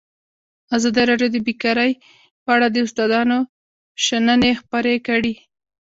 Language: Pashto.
ازادي راډیو د بیکاري په اړه د استادانو شننې خپرې کړي.